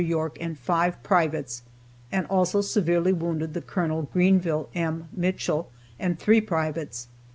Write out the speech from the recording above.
York and five privates, and also severely wounded the Colonel, Greenville M. Mitchell, and three privates.